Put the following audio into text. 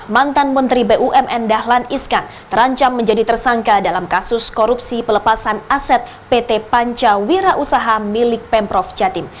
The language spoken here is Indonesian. mantan menteri bumn dahlan iskan terancam menjadi tersangka dalam kasus korupsi pelepasan aset pt pancawira usaha milik pemprov jatim